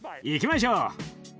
行きましょう！